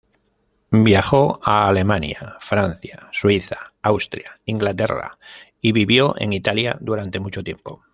Viajó a Alemania, Francia, Suiza, Austria, Inglaterra y vivió en Italia durante mucho tiempo.